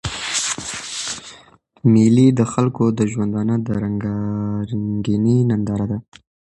مېلې د خلکو د ژوندانه د رنګارنګۍ ننداره ده.